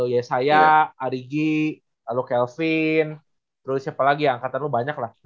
yesaya ari gi lalu kelvin lalu siapa lagi ya angkatan lu banyak lah